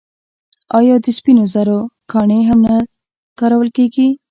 آیا د سپینو زرو ګاڼې هم نه کارول کیږي؟